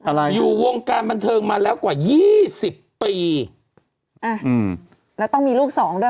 อะไรอยู่วงการบันเทิงมาแล้วกว่ายี่สิบปีอ่าอืมแล้วต้องมีลูกสองด้วย